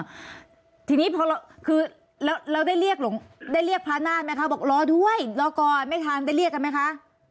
ทีนี้พอคือแล้วเราได้เรียกหลงได้เรียกพระนาฏไหมคะบอกรอด้วยรอก่อนไม่ทันได้เรียกกันไหมคะ